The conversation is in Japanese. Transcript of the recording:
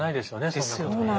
そんなことね。